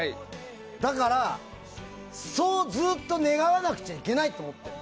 だから、そうずっと願わなくちゃいけないって思ってるの。